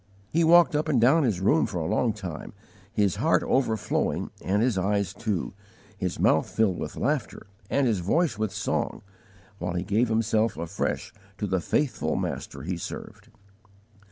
He walked up and down his room for a long time, his heart overflowing and his eyes too, his mouth filled with laughter and his voice with song, while he gave himself afresh to the faithful Master he served.